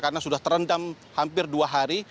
karena sudah terendam hampir dua hari